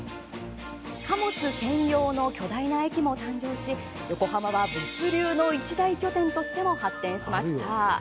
貨物専用の巨大な駅も誕生し横浜は物流の一大拠点としても発展しました。